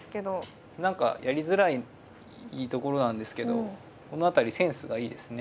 だから何かやりづらいところなんですけどこの辺りセンスがいいですね。